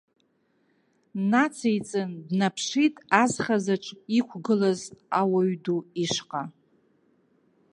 Нациҵан, днаԥшит азхазаҿ иқәгылаз ауаҩ ау ишҟа.